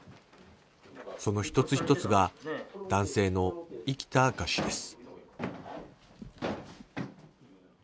その一つ一つが男性の生きた証しです。